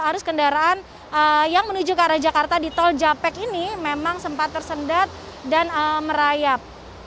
arus kendaraan yang menuju ke arah jakarta di tol japek ini memang sempat tersendat dan merayap